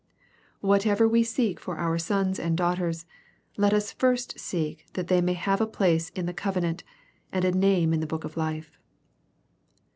Whatever we seek for our sons and daughters, let us first seek that they may have a place in the covenant, and a name in the book of life.